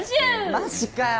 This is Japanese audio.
マジかよ